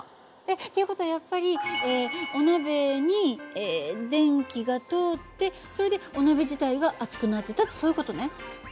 っていう事はやっぱりお鍋に電気が通ってそれでお鍋自体が熱くなってたってそういう事ね。